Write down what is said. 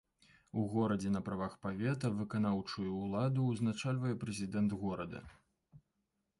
У горадзе на правах павета выканаўчую ўладу ўзначальвае прэзідэнт горада.